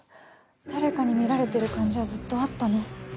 誰かに見られてる感じはずっとあったの。